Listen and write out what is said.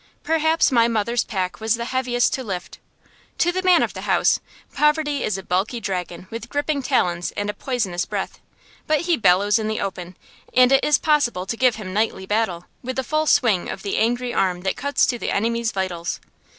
Perhaps my mother's pack was the heaviest to lift. To the man of the house, poverty is a bulky dragon with gripping talons and a poisonous breath; but he bellows in the open, and it is possible to give him knightly battle, with the full swing of the angry arm that cuts to the enemy's vitals.